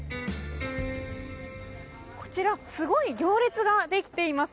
こちらすごい行列ができています。